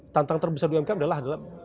tantang terbesar umkm adalah